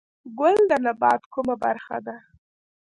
ګل د نبات کومه برخه ده؟